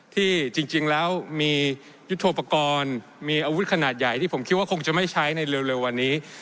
ที่จริงแล้วมียุทธโปรกรณ์มีอาวุธขนาดใหญ่ที่ผมคิดว่าคงจะไม่ใช้ในเร็ววันนี้